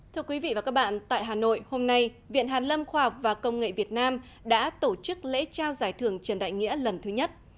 thưa quý vị và các bạn tại hà nội hôm nay viện hàn lâm khoa học và công nghệ việt nam đã tổ chức lễ trao giải thưởng trần đại nghĩa lần thứ nhất